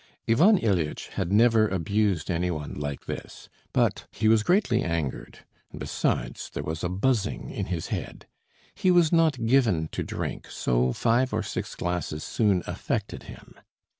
Ivan Ilyitch had never abused any one like this, but he was greatly angered, and besides, there was a buzzing in his head. He was not given to drink, so five or six glasses soon affected him.